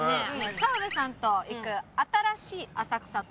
澤部さんと行く新しい浅草と。